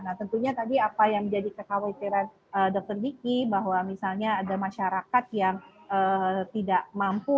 nah tentunya tadi apa yang menjadi kekhawatiran dr diki bahwa misalnya ada masyarakat yang tidak mampu